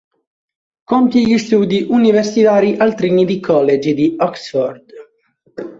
Compie gli studi universitari al Trinity College di Oxford.